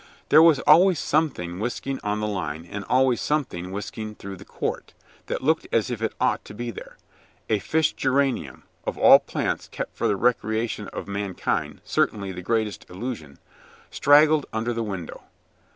There was always some thing whisking on the line, and always some thing whisking through the court, that looked as if it ought to be there. A fish geranium of all plants kept for the recreation of mankind, certainly the greatest illusion straggled under the window.